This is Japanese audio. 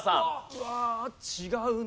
うわ違うな。